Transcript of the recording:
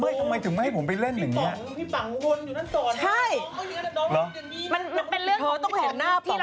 นั้นไงทำไมให้ผมไปเล่นแบบงี้